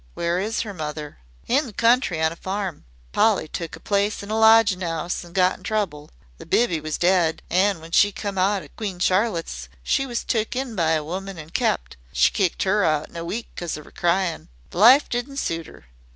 "Where is her mother?" "In the country on a farm. Polly took a place in a lodgin' 'ouse an' got in trouble. The biby was dead, an' when she come out o' Queen Charlotte's she was took in by a woman an' kep'. She kicked 'er out in a week 'cos of her cryin'. The life didn't suit 'er.